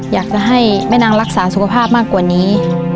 อยากจะให้แม่นางรักษาสุขภาพมากกว่านี้